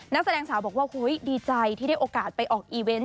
นักแสดงสาวบอกว่าดีใจที่ได้โอกาสไปออกอีเวนต์